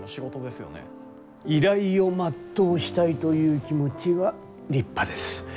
依頼を全うしたいという気持ちは立派です。